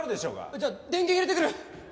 じゃあ電源入れてくる！